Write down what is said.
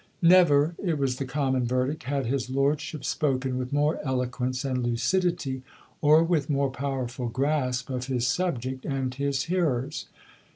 Never, it was the common verdict, had his lordship spoken with more eloquence and lucidity or with more powerful grasp of his subject and his hearers.